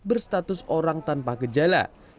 berstatus orang tanpa gejala